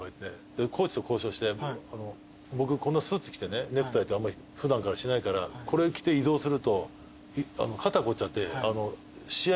コーチと交渉して僕こんなスーツ着てねネクタイってあんま普段からしないからこれ着て移動すると肩凝っちゃって試合に影響する。